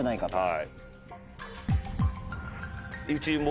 はい。